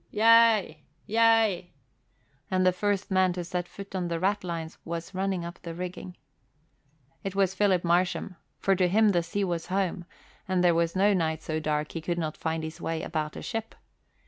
"Yea, yea!" And the first man to set foot on the ratlines was running up the rigging. It was Philip Marsham, for to him the sea was home and there was no night so dark he could not find his way about a ship.